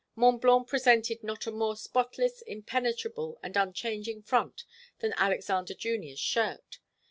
Mont Blanc presented not a more spotless, impenetrable, and unchanging front than Alexander Junior's shirt.